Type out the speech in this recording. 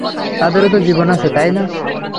তাদেরও তো জীবন আছে, তাই না?